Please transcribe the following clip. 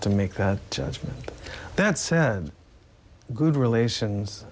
แต่มันก็คือมันจะเร็วเข้า